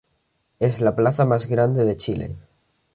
Es la plaza más grande de Chile.